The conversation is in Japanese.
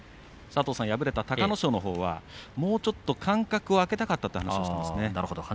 敗れた隆の勝のほうはもうちょっと間隔を空けたかったという話をしていました。